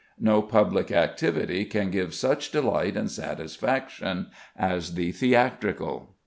No public activity can give such delight and satisfaction as the theatrical.